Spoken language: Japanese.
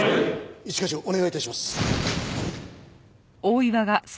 一課長お願い致します。